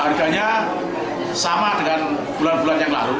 harganya sama dengan bulan bulan yang lalu